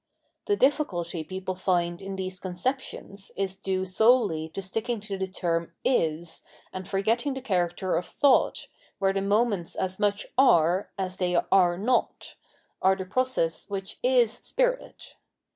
The difficulty people find in these conceptions is due solely to sticking to the term " is," and forgetting the character of thought, where the moments as much are as they are not ,— are the process which is Spirit.